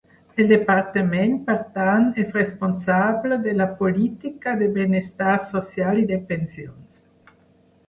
El Departament, per tant, és responsable de la política de benestar social i de pensions.